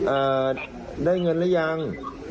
เอ่อได้เงินหรือยัง